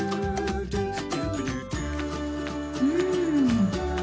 うん。